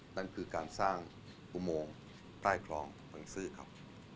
นั่นคือการสร้างอุโมงใต้คลองบังซื้อครับ